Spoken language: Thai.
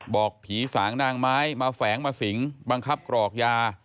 บอกผีสางนางไม้มาแฝงมาสิงบังคับกรอกยา